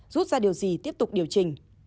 rút ra điều gì tiếp tục điều chỉnh